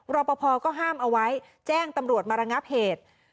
รอปภก็ห้ามเอาไว้แจ้งตำรวจมาระงับเหตุ